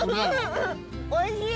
おいしい。